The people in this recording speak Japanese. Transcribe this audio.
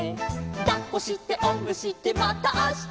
「だっこしておんぶしてまたあした」